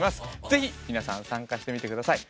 ぜひ皆さん参加してみて下さい。